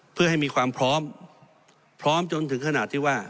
เพื่อให้มีความพร้อมพร้อมจนถึงขนาดที่ว่า